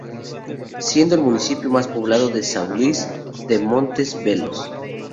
Siendo el municipio más poblado São Luís de Montes Belos.